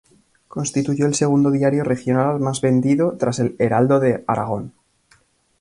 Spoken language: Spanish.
Constituyó el segundo diario regional más vendido, tras el "Heraldo de Aragón".